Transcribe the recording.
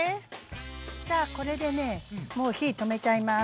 さあこれでねもう火止めちゃいます。